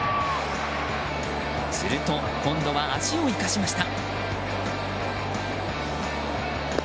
すると、今度は足を生かしました。